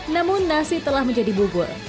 namun nasi telah menjadi bubur